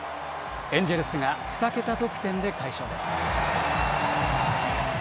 エンジェルスが２桁得点で快勝です。